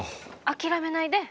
☎諦めないで。